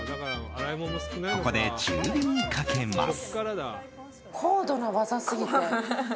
ここで中火にかけます。